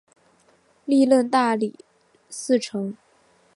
历任大理寺丞。